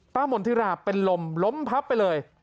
ป้าหม่อนธิราเป็นลมล้มพับไปเลย